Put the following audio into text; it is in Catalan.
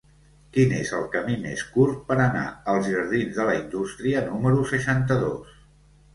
Quin és el camí més curt per anar als jardins de la Indústria número seixanta-dos?